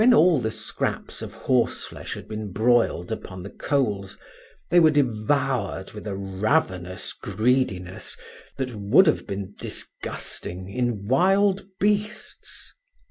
When all the scraps of horseflesh had been broiled upon the coals, they were devoured with a ravenous greediness that would have been disgusting in wild beasts.